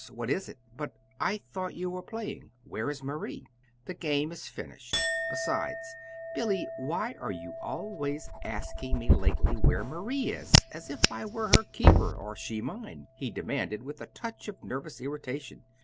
What is it? but I thought you were playing. Where is Marie?" "The game is finished; besides Billy, why are you always asking me lately where Marie is, as if I were her keeper, or she mine?" he demanded, with a touch of nervous irritation.